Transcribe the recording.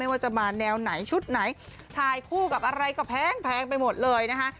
ว่าจะมาแนวไหนชุดไหนถ่ายคู่กับอะไรก็แพงไปหมดเลยนะคะ